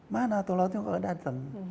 mana tol lautnya kalau datang